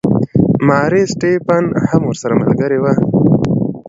ماري سټیفن هم ورسره ملګرې وه.